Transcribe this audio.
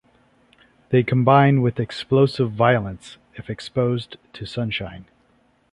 They combine with explosive violence, if exposed to sunshine.